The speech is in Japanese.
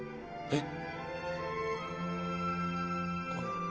えっ！？